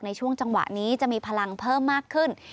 ในช่วงจังหวะนี้จะมีพลังเพิ่มมากขึ้น